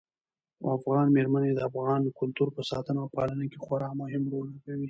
افغان مېرمنې د افغاني کلتور په ساتنه او پالنه کې خورا مهم رول لوبوي.